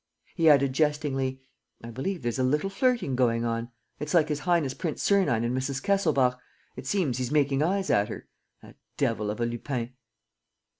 He added, jestingly, "I believe there's a little flirting going on. ... It's like his highness Prince Sernine and Mrs. Kesselbach. ... It seems he's making eyes at her! ... That devil of a Lupin!"